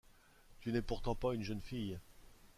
Tu n’es pourtant pas une jeune fille.